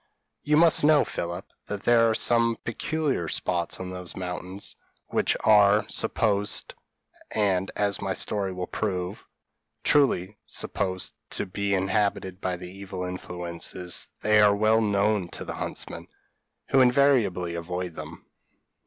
p> "You must know, Philip, that there are peculiar spots on those mountains which are supposed, and, as my story will prove, truly supposed, to be inhabited by the evil influences: they are well known to the huntsmen, who invariably avoid them.